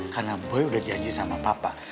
karena boy udah janji sama papa